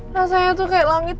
rasanya tuh kayak langit